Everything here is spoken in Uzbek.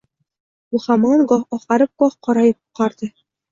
U hamon goh oqarib goh qorayib oqardi.